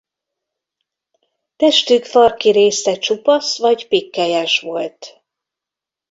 Testük farki része csupasz vagy pikkelyes volt.